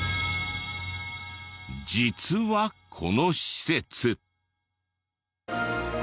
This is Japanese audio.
実はこの施設。